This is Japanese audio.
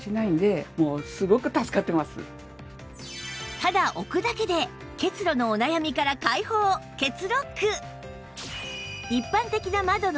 ただ置くだけで結露のお悩みから解放ケツロック！